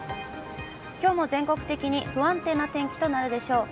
きょうも全国的に不安定な天気となるでしょう。